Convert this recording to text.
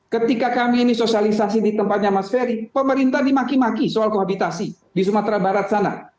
ketika kami ini sosialisasi di tempatnya mas ferry pemerintah dimaki maki soal kohabitasi di sumatera barat sana